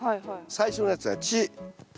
最初のやつは「チ」。